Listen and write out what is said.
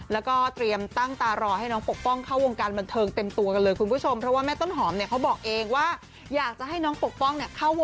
แล้วก็เตรียมตั้งตารอในให้น้องปกป้อง